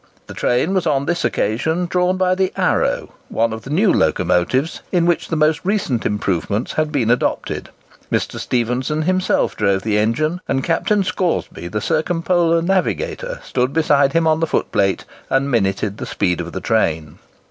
The train was on this occasion drawn by the "Arrow," one of the new locomotives, in which the most recent improvements had been adopted. Mr. Stephenson himself drove the engine, and Captain Scoresby, the circumpolar navigator, stood beside him on the foot plate, and minuted the speed of the train.